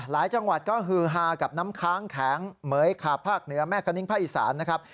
จังหวัดก็ฮือฮากับน้ำค้างแข็งเหม๋ยขาบภาคเหนือแม่คณิงภาคอีสานนะครับ